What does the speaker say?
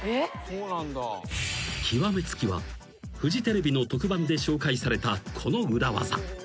［極め付きはフジテレビの特番で紹介されたこの裏技］